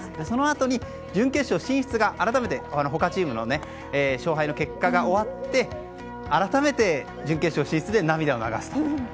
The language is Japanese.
そのあとに準決勝進出が他チームの勝敗の結果が終わって準決勝進出で涙を流すという。